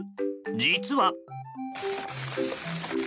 実は。